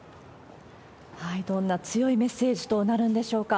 どんな強いメッセージとなるんでしょうか。